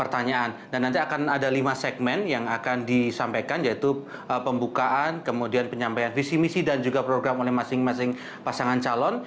dan nanti akan ada lima segmen yang akan disampaikan yaitu pembukaan kemudian penyampaian visi misi dan juga program oleh masing masing pasangan calon